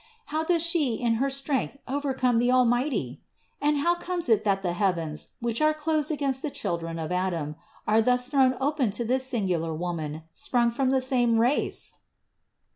How does She in her strength overcome the Almighty? And how comes it that the heavens, which are closed against the children of Adam, are thus thrown open to this singular Woman, sprung from the same race?"